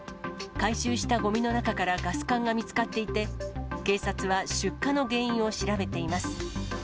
回収したごみの中からガス管が見つかっていて、警察は出火の原因を調べています。